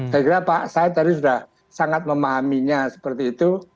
saya kira pak said tadi sudah sangat memahaminya seperti itu